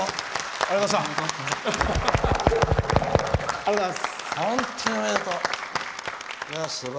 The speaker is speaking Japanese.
ありがとうございます。